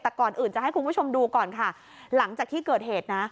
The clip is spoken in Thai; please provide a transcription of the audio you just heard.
แต่ก่อนอื่นจะให้คุณผู้ชมดูก่อนค่ะหลังจากที่เกิดเหตุนะ